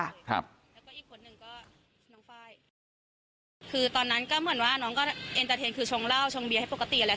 ครับแล้วก็อีกคนหนึ่งก็น้องไฟล์คือตอนนั้นก็เหมือนว่าน้องก็เอ็นเตอร์เทนคือชงเหล้าชงเบียร์ให้ปกติแล้ว